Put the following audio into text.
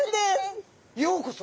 ようこそ。